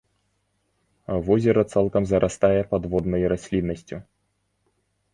Возера цалкам зарастае падводнай расліннасцю.